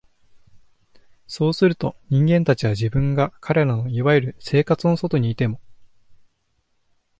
そうすると、人間たちは、自分が彼等の所謂「生活」の外にいても、